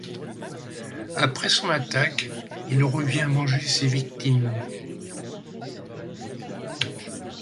Après son attaque, il revient manger ses victimes.